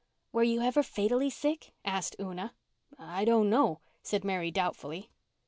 "Were you ever fatally sick?" asked Una. "I don't know," said Mary doubtfully.